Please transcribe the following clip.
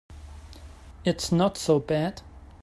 It's not so bad.